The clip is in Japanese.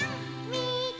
「みて」